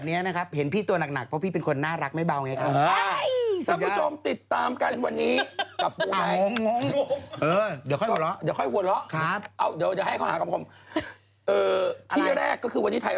แล้วน้องเอาเบาะออกด้วยนะเหลือแต่แกน